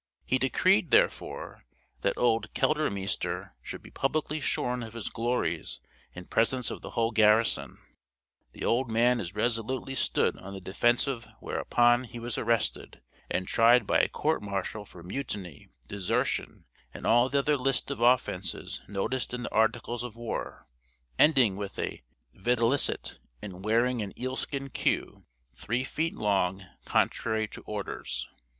He decreed, therefore, that old Keldermeester should be publicly shorn of his glories in presence of the whole garrison the old man as resolutely stood on the defensive whereupon he was arrested and tried by a court martial for mutiny, desertion, and all the other list of offences noticed in the articles of war, ending with a "videlicet, in wearing an eelskin queue, three feet long, contrary to orders."